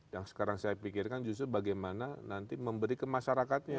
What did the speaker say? yang sekarang saya pikirkan justru bagaimana nanti memberi ke masyarakatnya